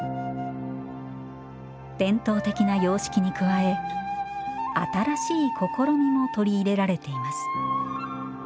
伝統的な様式に加え新しい試みも取り入れられています。